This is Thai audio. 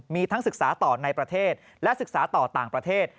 มีทั้งศึกษาต่อในประเทศและศึกษาต่อต่างประเทศ